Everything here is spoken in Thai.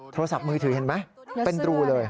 โทรศัพท์มือถือเห็นไหมเป็นรูเลย